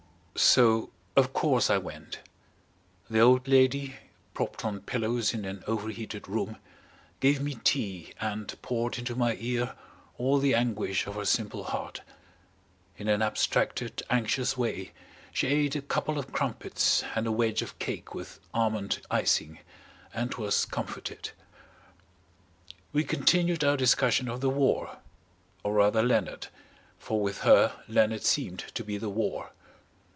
So of course I went. The old lady, propped on pillows in an overheated room, gave me tea and poured into my ear all the anguish of her simple heart. In an abstracted, anxious way, she ate a couple of crumpets and a wedge of cake with almond icing, and was comforted. We continued our discussion of the war or rather Leonard, for with her Leonard seemed to be the war.